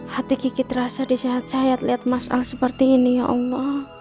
hati kikit rasa di sehat saya liat mas al seperti ini ya allah